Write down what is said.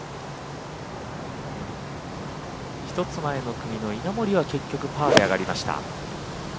１つ前の組の稲森は結局パーで上がりました。